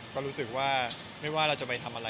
ก็รู้สึกว่าไม่ว่าเราจะไปทำอะไร